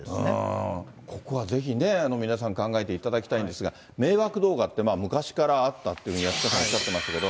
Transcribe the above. ここはぜひね、皆さん考えていただきたいんですが、迷惑動画って、昔からあったっていうふうに安川さんおっしゃってましたけど。